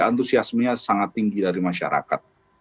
antusiasmenya sangat tinggi dari masyarakat